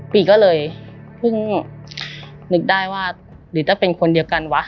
ปีก็เลยเพิ่งนึกได้ว่าหรือถ้าเป็นคนเดียวกันวะ